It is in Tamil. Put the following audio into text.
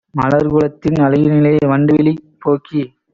மலர்க்குலத்தின் அழகினிலே வண்டுவிழி போக்கி